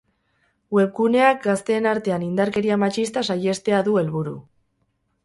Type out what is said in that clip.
Webguneak gazteen artean indarkeria matxista saihestea du helburu.